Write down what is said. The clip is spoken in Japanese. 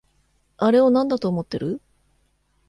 あれをなんだと思ってる？